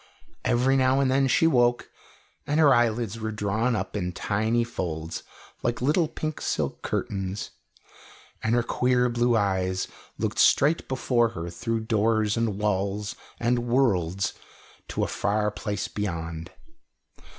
Every now and then she woke, and her eyelids were drawn up in tiny folds like little pink silk curtains, and her queer blue eyes looked straight before her through doors and walls and worlds to a far place beyond.